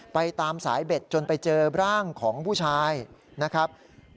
ไปตามสายเบ็ดจนไปเจอร่างของผู้ชายนะครับ